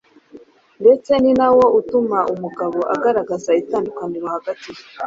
ndetse ni nawo utuma umugabo agaragaza itadukaniro hagati ye